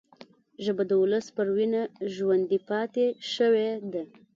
ژبه د ولس پر وینه ژوندي پاتې شوې ده